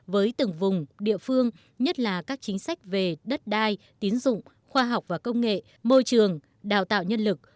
với từng vùng địa phương nhất là các chính sách về đất đai tín dụng khoa học và công nghệ môi trường đào tạo nhân lực